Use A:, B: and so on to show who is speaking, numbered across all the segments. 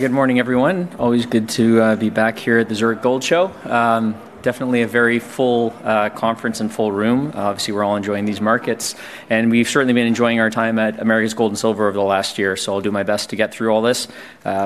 A: Good morning, everyone. Always good to be back here at the Zurich Gold Show. Definitely a very full conference and full room. Obviously, we're all enjoying these markets, and we've certainly been enjoying our time at Americas Gold and Silver over the last year, so I'll do my best to get through all this.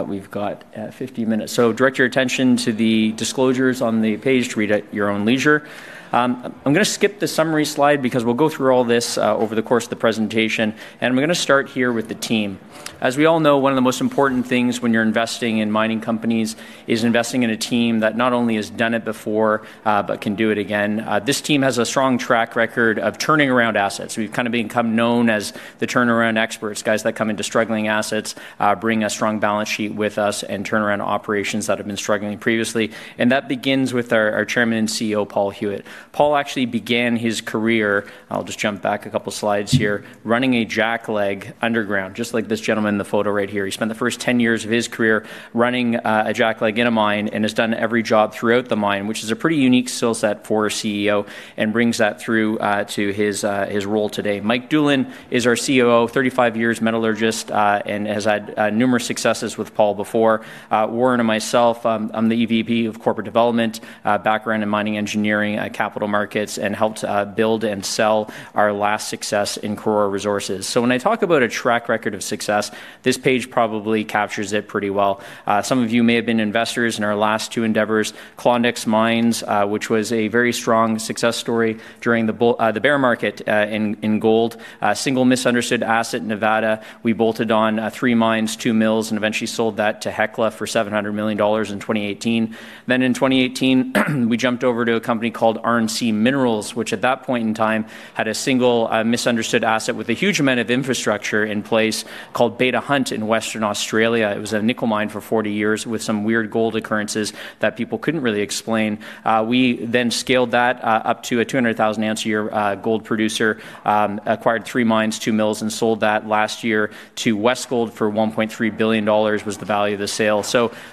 A: We've got 50 minutes, so direct your attention to the disclosures on the page to read at your own leisure. I'm going to skip the summary slide because we'll go through all this over the course of the presentation, and I'm going to start here with the team. As we all know, one of the most important things when you're investing in mining companies is investing in a team that not only has done it before but can do it again. This team has a strong track record of turning around assets. We've kind of become known as the turnaround experts, guys that come into struggling assets, bring a strong balance sheet with us, and turn around operations that have been struggling previously. That begins with our Chairman and CEO, Paul Huet. Paul actually began his career—I'll just jump back a couple slides here—running a jackleg underground, just like this gentleman in the photo right here. He spent the first 10 years of his career running a jackleg in a mine and has done every job throughout the mine, which is a pretty unique skill set for a CEO and brings that through to his role today. Mike Doolin is our COO, 35 years, metallurgist, and has had numerous successes with Paul before. Warren and myself, I'm the EVP of Corporate Development, background in mining engineering, capital markets, and helped build and sell our last success in Corora Resources. When I talk about a track record of success, this page probably captures it pretty well. Some of you may have been investors in our last two endeavors, Klondex Mines, which was a very strong success story during the bear market in gold. Single misunderstood asset, Nevada. We bolted on three mines, two mills, and eventually sold that to Hecla for $700 million in 2018. In 2018, we jumped over to a company called RNC Minerals, which at that point in time had a single misunderstood asset with a huge amount of infrastructure in place called Beta Hunt in Western Australia. It was a nickel mine for 40 years with some weird gold occurrences that people could not really explain. We then scaled that up to a 200,000-ounce-a-year gold producer, acquired three mines, two mills, and sold that last year to Westgold for $1.3 billion was the value of the sale.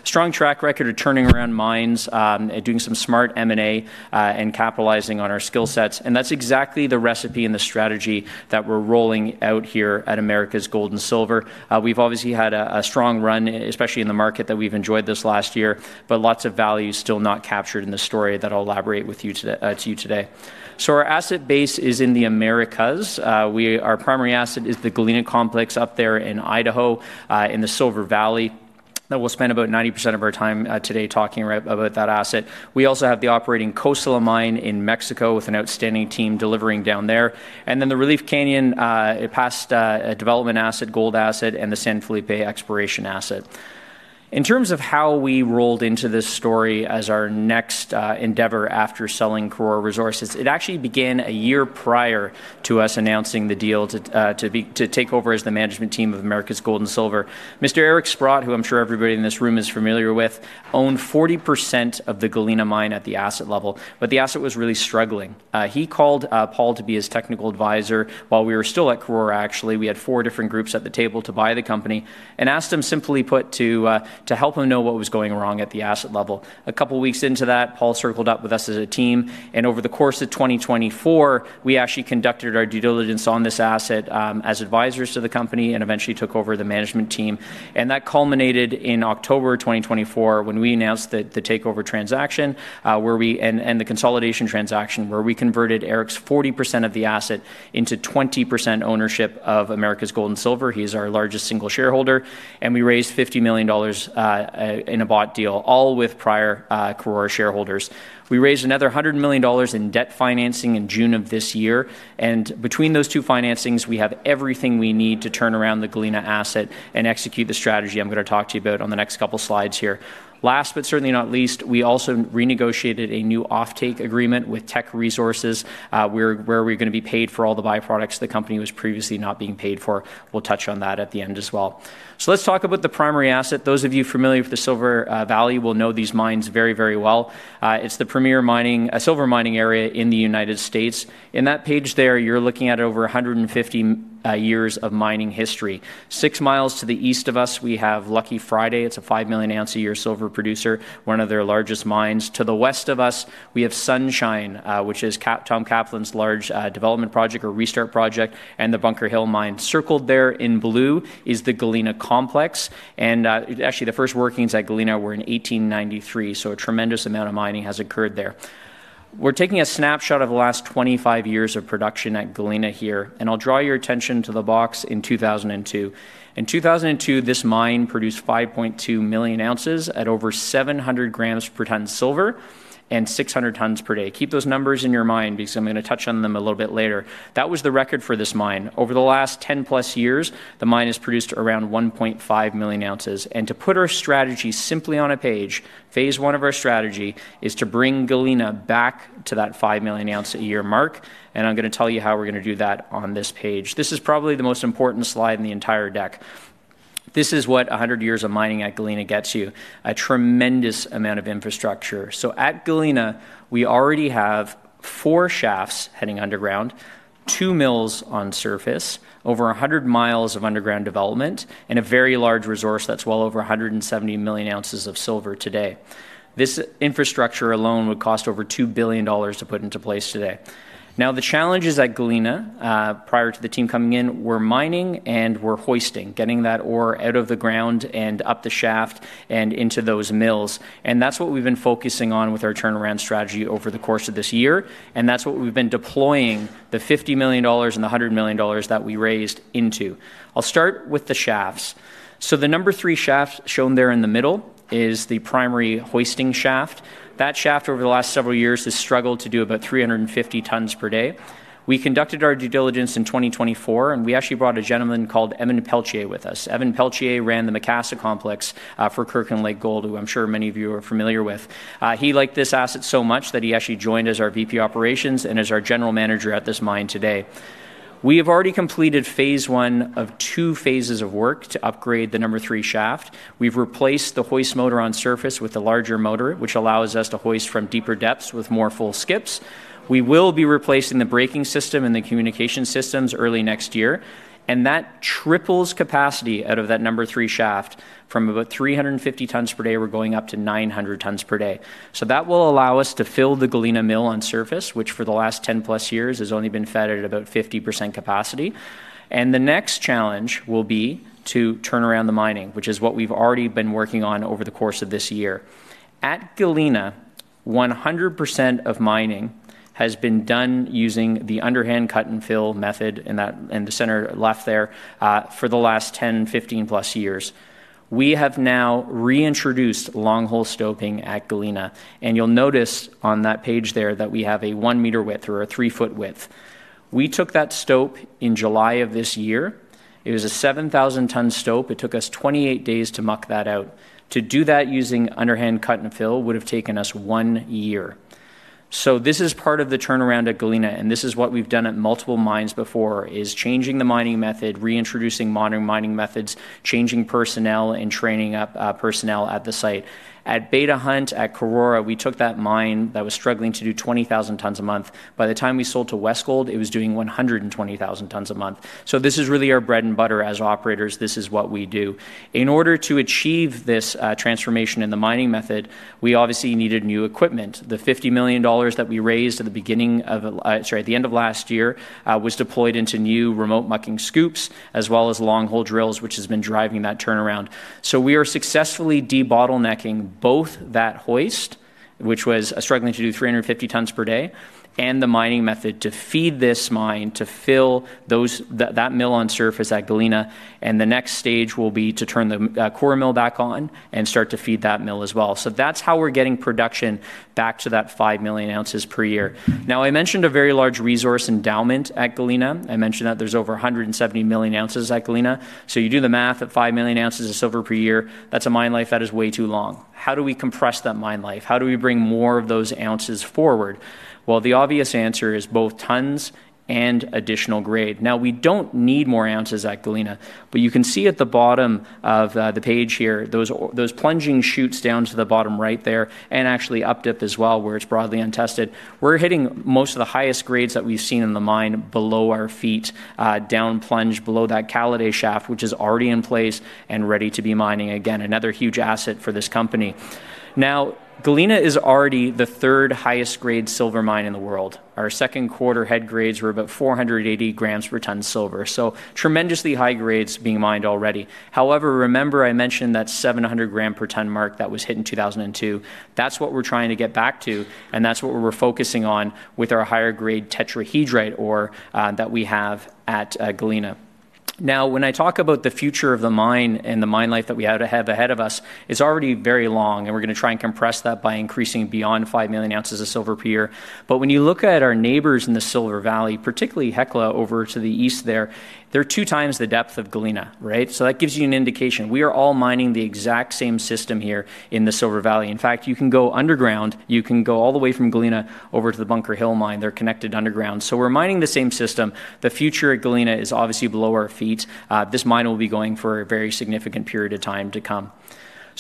A: Strong track record of turning around mines, doing some smart M&A, and capitalizing on our skill sets. That is exactly the recipe and the strategy that we're rolling out here at Americas Gold and Silver. We've obviously had a strong run, especially in the market that we've enjoyed this last year, but lots of value still not captured in the story that I'll elaborate with you today. Our asset base is in the Americas. Our primary asset is the Galena Complex up there in Idaho in the Silver Valley. We'll spend about 90% of our time today talking about that asset. We also have the operating Cosalá Mine in Mexico with an outstanding team delivering down there. The Relief Canyon, a past development asset, gold asset, and the San Felipe exploration asset. In terms of how we rolled into this story as our next endeavor after selling Corora Resources, it actually began a year prior to us announcing the deal to take over as the management team of Americas Gold and Silver. Mr. Eric Sprott, who I'm sure everybody in this room is familiar with, owned 40% of the Galena mine at the asset level, but the asset was really struggling. He called Paul to be his technical advisor while we were still at Corora, actually. We had four different groups at the table to buy the company and asked him, simply put, to help him know what was going wrong at the asset level. A couple weeks into that, Paul circled up with us as a team, and over the course of 2024, we actually conducted our due diligence on this asset as advisors to the company and eventually took over the management team. That culminated in October 2024 when we announced the takeover transaction and the consolidation transaction where we converted Eric's 40% of the asset into 20% ownership of Americas Gold and Silver. He is our largest single shareholder, and we raised $50 million in a bought deal, all with prior Corora shareholders. We raised another $100 million in debt financing in June of this year. Between those two financings, we have everything we need to turn around the Galena asset and execute the strategy I'm going to talk to you about on the next couple slides here. Last but certainly not least, we also renegotiated a new offtake agreement with Teck Resources where we're going to be paid for all the byproducts the company was previously not being paid for. We'll touch on that at the end as well. Let's talk about the primary asset. Those of you familiar with the Silver Valley will know these mines very, very well. It's the premier silver mining area in the United States. In that page there, you're looking at over 150 years of mining history. Six miles to the east of us, we have Lucky Friday. It's a 5 million-ounce-a-year silver producer, one of their largest mines. To the west of us, we have Sunshine, which is Tom Kaplan's large development project or restart project, and the Bunker Hill Mine. Circled there in blue is the Galena Complex. Actually, the first workings at Galena were in 1893, so a tremendous amount of mining has occurred there. We're taking a snapshot of the last 25 years of production at Galena here, and I'll draw your attention to the box in 2002. In 2002, this mine produced 5.2 million ounces at over 700 grams per tonne silver and 600 tons per day. Keep those numbers in your mind because I'm going to touch on them a little bit later. That was the record for this mine. Over the last 10-plus years, the mine has produced around 1.5 million ounces. To put our strategy simply on a page, phase one of our strategy is to bring Galena back to that 5 million-ounce-a-year mark, and I'm going to tell you how we're going to do that on this page. This is probably the most important slide in the entire deck. This is what 100 years of mining at Galena gets you: a tremendous amount of infrastructure. At Galena, we already have four shafts heading underground, two mills on surface, over 100 mi of underground development, and a very large resource that's well over 170 million ounces of silver today. This infrastructure alone would cost over $2 billion to put into place today. The challenges at Galena prior to the team coming in were mining and were hoisting, getting that ore out of the ground and up the shaft and into those mills. That's what we've been focusing on with our turnaround strategy over the course of this year, and that's what we've been deploying the $50 million and the $100 million that we raised into. I'll start with the shafts. The number three shaft shown there in the middle is the primary hoisting shaft. That shaft, over the last several years, has struggled to do about 350 tons per day. We conducted our due diligence in 2024, and we actually brought a gentleman called Evan Peltier with us. Evan Peltier ran the Macassa Complex for Kirkland Lake Gold, who I'm sure many of you are familiar with. He liked this asset so much that he actually joined as our VP Operations and is our general manager at this mine today. We have already completed phase one of two phases of work to upgrade the number three shaft. We've replaced the hoist motor on surface with a larger motor, which allows us to hoist from deeper depths with more full skips. We will be replacing the braking system and the communication systems early next year, and that triples capacity out of that number three shaft from about 350 tons per day. We're going up to 900 tons per day. That will allow us to fill the Galena Mill on surface, which for the last 10-plus years has only been fed at about 50% capacity. The next challenge will be to turn around the mining, which is what we've already been working on over the course of this year. At Galena, 100% of mining has been done using the underhand cut and fill method in the center left there for the last 10, 15-plus years. We have now reintroduced long-hole stoping at Galena, and you'll notice on that page there that we have a one-meter width or a three-foot width. We took that stope in July of this year. It was a 7,000-ton stope. It took us 28 days to muck that out. To do that using underhand cut and fill would have taken us one year. This is part of the turnaround at Galena, and this is what we've done at multiple mines before: changing the mining method, reintroducing modern mining methods, changing personnel, and training up personnel at the site. At Beta Hunt at Corora, we took that mine that was struggling to do 20,000 tons a month. By the time we sold to Westgold, it was doing 120,000 tons a month. This is really our bread and butter as operators. This is what we do. In order to achieve this transformation in the mining method, we obviously needed new equipment. The $50 million that we raised at the end of last year was deployed into new remote mucking scoops as well as long-hole drills, which has been driving that turnaround. We are successfully debottlenecking both that hoist, which was struggling to do 350 tons per day, and the mining method to feed this mine to fill that mill on surface at Galena. The next stage will be to turn the core mill back on and start to feed that mill as well. That is how we are getting production back to that 5 million ounces per year. I mentioned a very large resource endowment at Galena. I mentioned that there is over 170 million ounces at Galena. You do the math: at 5 million ounces of silver per year, that is a mine life that is way too long. How do we compress that mine life? How do we bring more of those ounces forward? The obvious answer is both tons and additional grade. Now, we don't need more ounces at Galena, but you can see at the bottom of the page here, those plunging chutes down to the bottom right there and actually updip as well, where it's broadly untested. We're hitting most of the highest grades that we've seen in the mine below our feet, down plunge below that Caladay shaft, which is already in place and ready to be mining again. Another huge asset for this company. Now, Galena is already the third highest-grade silver mine in the world. Our second quarter head grades were about 480 grams per tonne silver, so tremendously high grades being mined already. However, remember I mentioned that 700-gram-per-tonne mark that was hit in 2002. That's what we're trying to get back to, and that's what we're focusing on with our higher-grade tetrahedrite ore that we have at Galena. Now, when I talk about the future of the mine and the mine life that we have ahead of us, it's already very long, and we're going to try and compress that by increasing beyond 5 million ounces of silver per year. When you look at our neighbors in the Silver Valley, particularly Hecla over to the east there, they're two times the depth of Galena, right? That gives you an indication. We are all mining the exact same system here in the Silver Valley. In fact, you can go underground. You can go all the way from Galena over to the Bunker Hill Mine. They're connected underground. We're mining the same system. The future at Galena is obviously below our feet. This mine will be going for a very significant period of time to come.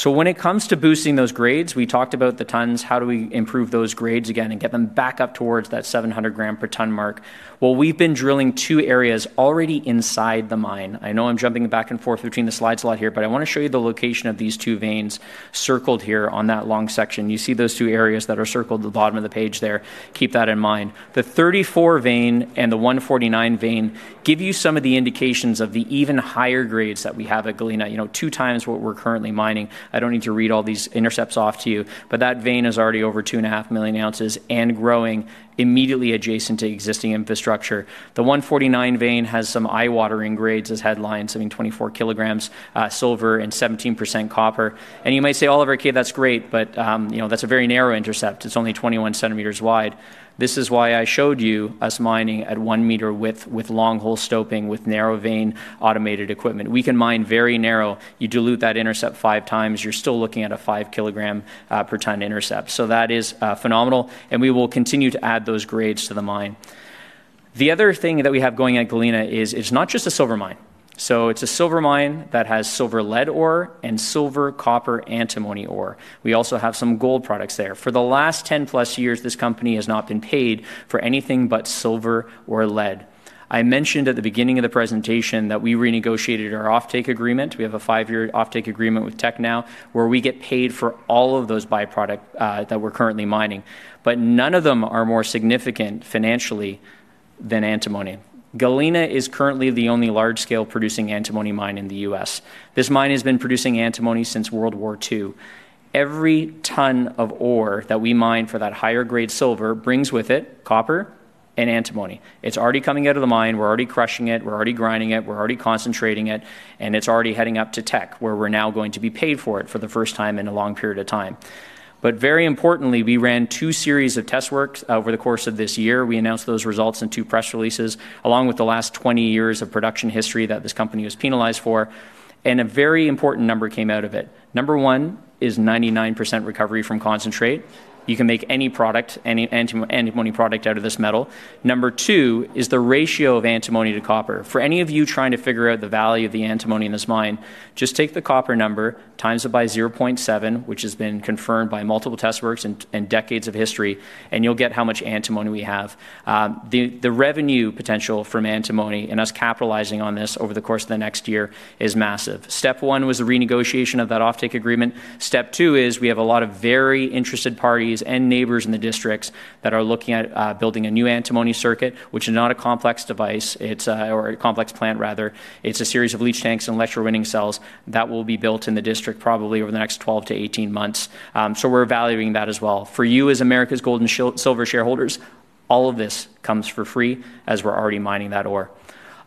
A: When it comes to boosting those grades, we talked about the tons. How do we improve those grades again and get them back up towards that 700-gram-per-ton mark? We've been drilling two areas already inside the mine. I know I'm jumping back and forth between the slides a lot here, but I want to show you the location of these two veins circled here on that long section. You see those two areas that are circled at the bottom of the page there. Keep that in mind. The 34-vein and the 149-vein give you some of the indications of the even higher grades that we have at Galena, two times what we're currently mining. I don't need to read all these intercepts off to you, but that vein is already over 2.5 million ounces and growing immediately adjacent to existing infrastructure. The 149-vein has some eye-watering grades as headlines, something 24 kilograms silver and 17% copper. You might say, "Oliver K, that's great, but that's a very narrow intercept. It's only 21 centimeters wide." This is why I showed you us mining at one-meter width with long-hole stoping with narrow-vein automated equipment. We can mine very narrow. You dilute that intercept five times. You're still looking at a 5-kilogram-per-ton intercept. That is phenomenal, and we will continue to add those grades to the mine. The other thing that we have going at Galena is it's not just a silver mine. It's a silver mine that has silver lead ore and silver copper antimony ore. We also have some gold products there. For the last 10-plus years, this company has not been paid for anything but silver or lead. I mentioned at the beginning of the presentation that we renegotiated our offtake agreement. We have a five-year offtake agreement with Teck now, where we get paid for all of those byproducts that we're currently mining, but none of them are more significant financially than antimony. Galena is currently the only large-scale producing antimony mine in the U.S. This mine has been producing antimony since World War II. Every ton of ore that we mine for that higher-grade silver brings with it copper and antimony. It's already coming out of the mine. We're already crushing it. We're already grinding it. We're already concentrating it, and it's already heading up to Teck where we're now going to be paid for it for the first time in a long period of time. Very importantly, we ran two series of test works over the course of this year. We announced those results in two press releases along with the last 20 years of production history that this company was penalized for. A very important number came out of it. Number one is 99% recovery from concentrate. You can make any product, any antimony product out of this metal. Number two is the ratio of antimony to copper. For any of you trying to figure out the value of the antimony in this mine, just take the copper number, times it by 0.7, which has been confirmed by multiple test works and decades of history, and you'll get how much antimony we have. The revenue potential from antimony and us capitalizing on this over the course of the next year is massive. Step one was the renegotiation of that offtake agreement. Step two is we have a lot of very interested parties and neighbors in the districts that are looking at building a new antimony circuit, which is not a complex device or a complex plant, rather. It is a series of leach tanks and electrolytic cells that will be built in the district probably over the next 12 to 18 months. We are evaluating that as well. For you as Americas Gold and Silver shareholders, all of this comes for free as we are already mining that ore.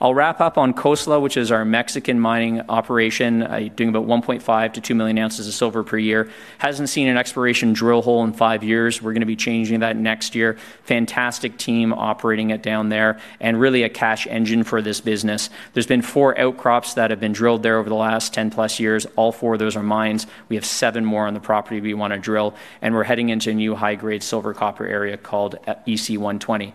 A: I will wrap up on Cosalá, which is our Mexican mining operation, doing about 1.5 million to 2 million ounces of silver per year. It has not seen an exploration drill hole in five years. We are going to be changing that next year. Fantastic team operating it down there and really a cash engine for this business. There's been four outcrops that have been drilled there over the last 10-plus years. All four of those are mines. We have seven more on the property we want to drill, and we're heading into a new high-grade silver copper area called EC120.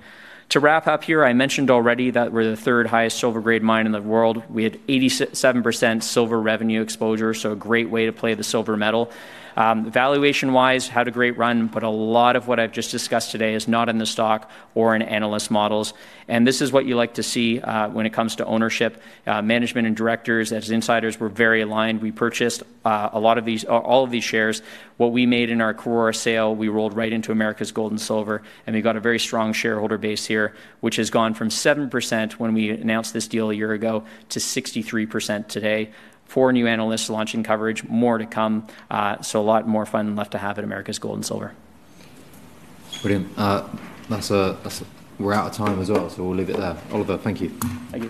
A: To wrap up here, I mentioned already that we're the third highest silver-grade mine in the world. We had 87% silver revenue exposure, so a great way to play the silver metal. Valuation-wise, had a great run, but a lot of what I've just discussed today is not in the stock or in analyst models. This is what you like to see when it comes to ownership. Management and directors as insiders were very aligned. We purchased a lot of these—all of these shares. What we made in our Corora sale, we rolled right into Americas Gold and Silver, and we got a very strong shareholder base here, which has gone from 7% when we announced this deal a year ago to 63% today. Four new analysts launching coverage. More to come. A lot more fun left to have at Americas Gold and Silver.
B: Brilliant. We're out of time as well, so we'll leave it there. Oliver, thank you.
A: Thank you.